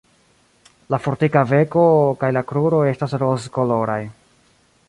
La fortika beko kaj la kruroj estas rozkoloraj.